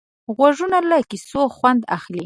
غوږونه له کیسو خوند اخلي